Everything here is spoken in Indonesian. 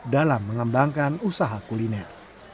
dalam mengembangkan usaha kuliner